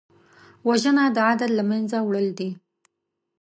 وژنه د عدل له منځه وړل دي